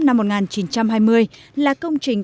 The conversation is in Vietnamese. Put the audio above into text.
năm một nghìn chín trăm hai mươi là công trình